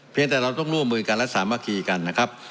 แต่เราต้องร่วมมือกันและสามัคคีกันนะครับ